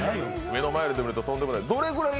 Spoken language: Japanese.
目の前で見ると、とんでもない。